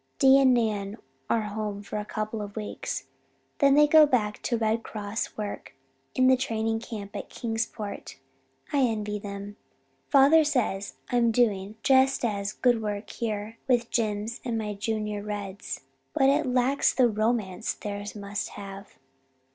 "Di and Nan are home for a couple of weeks. Then they go back to Red Cross work in the training camp at Kingsport. I envy them. Father says I'm doing just as good work here, with Jims and my Junior Reds. But it lacks the romance theirs must have.